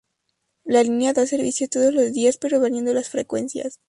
La línea da servicio todos los días pero variando las frecuencias.